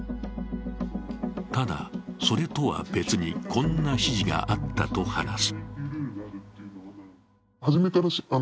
ただ、それとは別に、こんな指示があったと話す。